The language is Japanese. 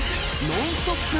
ノンストップ！